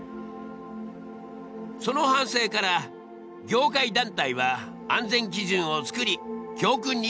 その反省から業界団体は安全基準を作り教訓にしてきた。